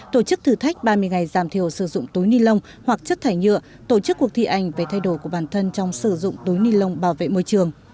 tổ chức thử thách ba mươi ngày giảm thiểu sử dụng túi ni lông hoặc chất thải nhựa tổ chức cuộc thi ảnh về thay đổi của bản thân trong sử dụng túi ni lông bảo vệ môi trường